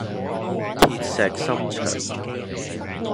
鐵石心腸